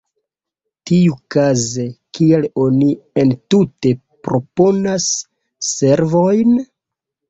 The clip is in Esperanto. Tiukaze, kial oni entute proponas servojn?